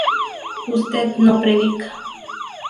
usted no predica